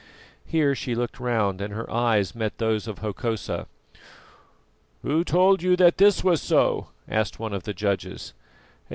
Here she looked round and her eyes met those of Hokosa. "Who told you that this was so?" asked one of the judges.